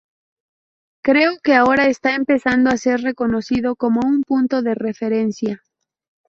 Creo que ahora está empezando a ser reconocido como un punto de referencia.